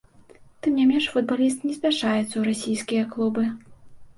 Тым не менш футбаліст не спяшаецца ў расійскія клубы.